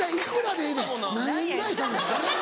でええねん「何円ぐらいしたんですか？」。